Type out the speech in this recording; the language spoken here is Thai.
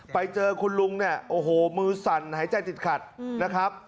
ไปเจอคุณลุงเนี่ยโอ้โหมือสั่นหายใจติดขัดนะครับ